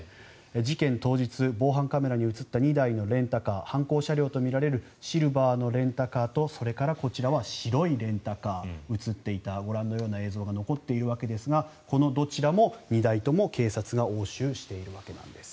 事件当日、防犯カメラに映った２台のレンタカー犯行車両とみられるシルバーのレンタカーとそれからこちらは白いレンタカー映っていたご覧のような映像が残っているわけですがこのどちらも２台とも警察が押収しているわけなんです。